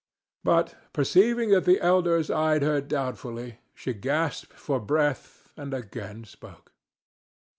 But, perceiving that the elders eyed her doubtfully, she gasped for breath and again spoke.